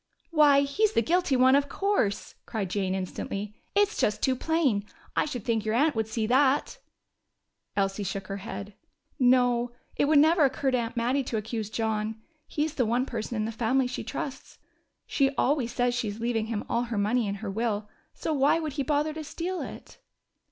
"Why, he's the guilty one, of course!" cried Jane instantly. "It's just too plain. I should think your aunt would see that." Elsie shook her head. "No, it would never occur to Aunt Mattie to accuse John. He's the one person in the family she trusts. She always says she is leaving him all her money in her will so why would he bother to steal it?"